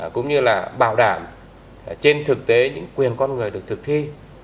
cũng như là bảo đảm trên thực tế những quyền con người được thực thi